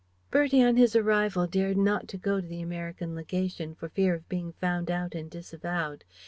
Bertie on his arrival dared not to go to the American legation for fear of being found out and disavowed.